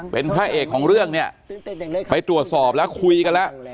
เป็นพระเอกของเรื่องเนี่ยไปตรวจสอบแล้วคุยกันแล้ว